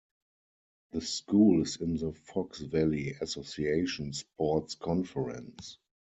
The school is in the Fox Valley Association sports conference.